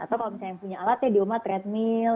atau kalau misalnya yang punya alat ya di rumah treadmill